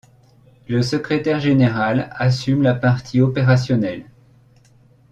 Le secrétariat général assume la partie opérationnelle.